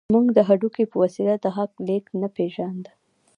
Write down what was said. موږ د هډوکي په وسیله د غږ لېږد نه پېژانده